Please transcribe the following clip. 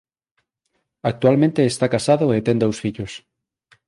Actualmente está casado e ten dous fillos.